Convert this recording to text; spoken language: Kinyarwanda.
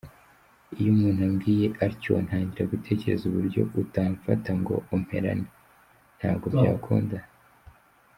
Iyo umuntu ambwiye atyo ntangira gutekereza uburyo utamfata ngo umperane, ntabwo byakunda.